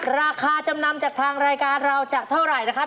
ราคาจำนำจากทางรายการเราจะเท่าไหร่นะครับ